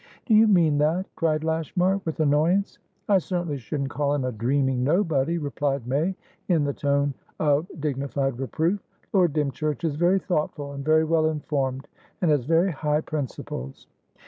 "Do you mean that?" cried Lashmar, with annoyance. "I certainly shouldn't call him a 'dreaming nobody,'" replied May, in the tone of dignified reproof. "Lord Dymchurch is very thoughtful, and very well informed, and has very high principles."